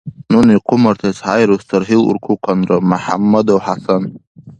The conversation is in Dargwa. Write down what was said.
Нуни хъумартес хӀейрус цархӀил уркухъанра — МяхӀяммадов ХӀясан.